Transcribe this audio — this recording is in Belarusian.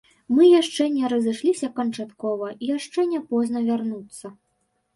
Мы яшчэ не разышліся канчаткова, яшчэ не позна вярнуцца.